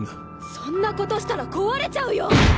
そんな事したら壊れちゃうよ！